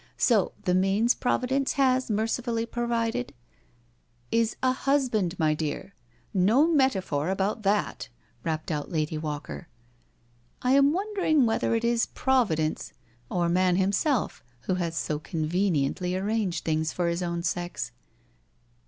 So the means Providence has mercifully provided? ••."" Is a husband, my dear. No metaphor about that," rapped out Lady Walker. " I am wondering whether it is Providence or man himself who has so conveniently arranged things for his own sex.